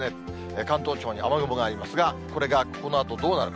関東地方に雨雲がありますが、これがこのあとどうなるか。